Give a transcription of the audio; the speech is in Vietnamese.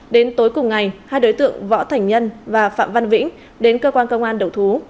đến tối cùng ngày hai đối tượng võ thành nhân và phạm văn vĩnh đến cơ quan công an đầu thú